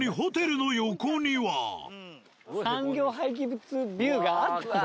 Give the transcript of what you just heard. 更に産業廃棄物ビューがあったね。